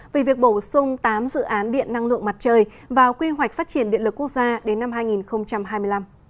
về việc bổ sung tám dự án điện năng lượng mặt trời vào quy hoạch phát triển điện lực quốc gia đến năm hai nghìn hai mươi năm